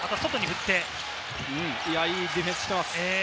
ディフェンスをしています。